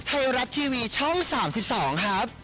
ไทยรัฐทีวีช่อง๓๒ครับ